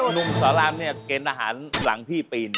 หนุ่มสอนรามเนี่ยเกณฑ์อาหารหลังพี่ปีน